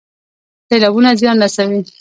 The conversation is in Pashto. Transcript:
سیلابونه زیان رسوي